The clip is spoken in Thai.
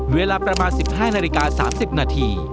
เวลาประมาณ๑๕นาฬิกา๓๐นาที